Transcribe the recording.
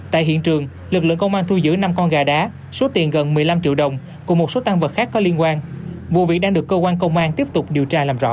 tại hiện trường lực lượng công an thu giữ năm con gà đá số tiền gần một mươi năm triệu đồng cùng một số tăng vật khác có liên quan vụ việc đang được cơ quan công an tiếp tục điều tra làm rõ